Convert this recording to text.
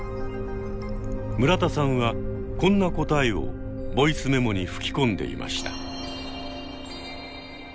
村田さんはこんな答えをボイスメモに吹き込んでいました。